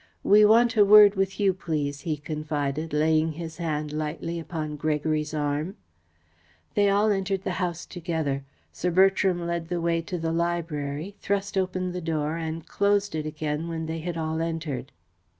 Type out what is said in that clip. "We want a word with you, please," he confided, laying his hand lightly upon Gregory's arm. They all entered the house together. Sir Bertram led the way to the library, thrust open the door and closed it again when they had all entered.